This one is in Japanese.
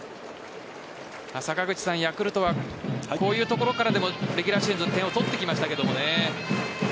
坂口さん、ヤクルトはこういうところからでもレギュラーシーズン点を取ってきましたけどもね。